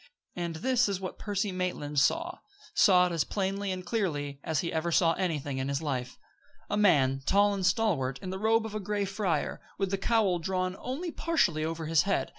And this is what Percy Maitland saw saw it as plainly and clearly as he ever saw anything in his life: A man, tall and stalwart, in the robe of a gray friar, with the cowl drawn only partially over his head.